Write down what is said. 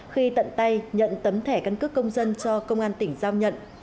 khi tận tay nhận tấm thẻ căn cước công dân cho công an tỉnh giao nhận